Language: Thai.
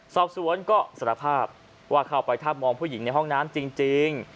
สอบสวนก็สารภาพว่าเข้าไปถ้ามองผู้หญิงในห้องน้ำจริง